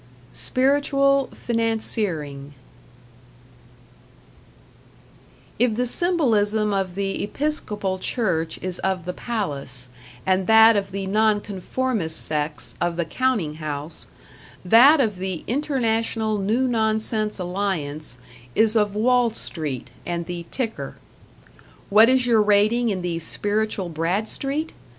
#Spiritual Financiering# If the symbolism of the Episcopal Church is of the palace, and that of the non conformist sects of the counting house, that of the International New Nonsense Alliance is of Wall Street and the "ticker". "What is your rating in the Spiritual Bradstreet?"